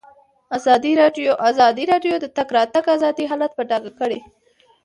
ازادي راډیو د د تګ راتګ ازادي حالت په ډاګه کړی.